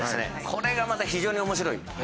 これがまた非常に面白い。